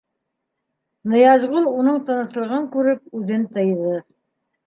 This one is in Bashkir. Ныязғол, уның тыныслығын күреп, үҙен тыйҙы.